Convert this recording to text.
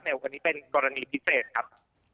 วันนี้เป็นกรณีพิเศษครับ